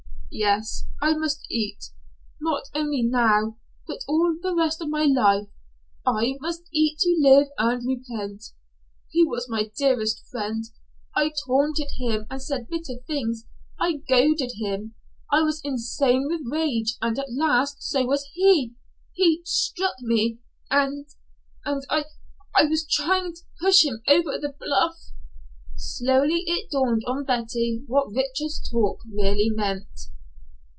"Yes, I must eat not only now but all the rest of my life, I must eat to live and repent. He was my dearest friend. I taunted him and said bitter things. I goaded him. I was insane with rage and at last so was he. He struck me and and I I was trying to push him over the bluff " Slowly it dawned on Betty what Richard's talk really meant.